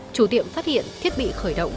chủ tiệm phát hiện thiết bị khởi động